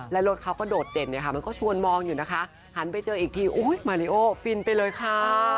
แลรถเขาก็โดดเต่นมันก็ชวนมองอยู่นะคะหันไปเจออีกทีโอ๊ยมาริโอฟินไปเลยค่ะ